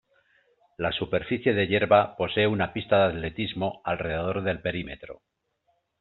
La superficie de hierba posee una pista de atletismo alrededor del perímetro.